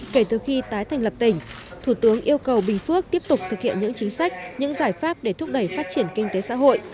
kể từ khi tái thành lập tỉnh thủ tướng yêu cầu bình phước tiếp tục thực hiện những chính sách những giải pháp để thúc đẩy phát triển kinh tế xã hội